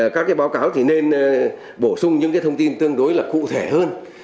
các báo cáo thì nên bổ sung những cái thông tin tương đối là cụ thể hơn